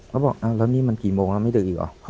เขาบอกแล้วนี่มันกี่โมงแล้วไม่ดึกอีกเหรอ